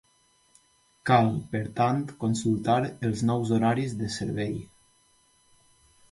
Cal, per tant, consultar els nous horaris de servei.